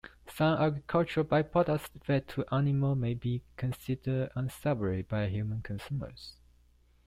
Some agricultural byproducts fed to animals may be considered unsavory by human consumers.